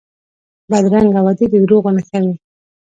بدرنګه وعدې د دروغو نښه وي